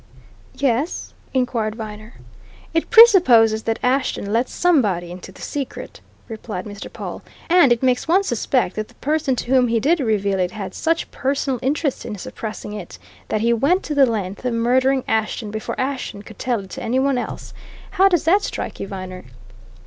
"Yes?" inquired Viner. "It presupposes that Ashton let somebody into the secret," replied Mr. Pawle, "and it makes one suspect that the person to whom he did reveal it had such personal interest in suppressing it that he went to the length of murdering Ashton before Ashton could tell it to any one else. How does that strike you, Viner?"